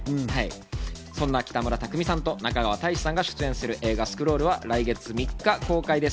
そんな北村匠海さんと中川大志さんが出演する映画『スクロール』は来月３日公開です。